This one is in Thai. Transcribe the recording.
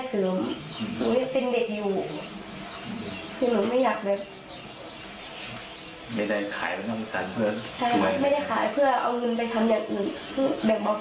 เมื่อกี้หนูก็ร้องให้หนูเสียความรู้สึกมาก